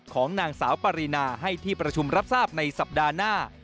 ของนางสาวปรินาให้ที่ประชุมรับทราบในสัปดาห์หน้า